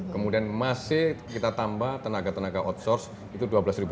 kemudian masih kita tambah tenaga tenaga outsource itu dua belas